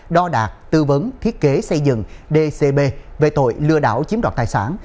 đo đạc tư vấn thiết kế xây dựng dcb về tội lừa đảo chiếm đoạt tài sản